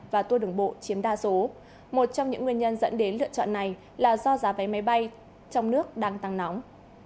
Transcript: và tour đường bộ chiếm đa số một trong những nguyên nhân dẫn đến lựa chọn này là do giá váy máy bay trong nước đang tăng nóng